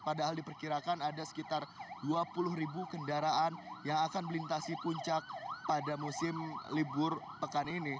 padahal diperkirakan ada sekitar dua puluh ribu kendaraan yang akan melintasi puncak pada musim libur pekan ini